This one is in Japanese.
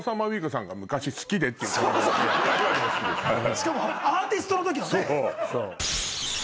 しかもアーティストのときのね。